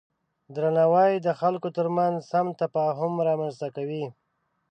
درناوی د خلکو ترمنځ سم تفاهم رامنځته کوي.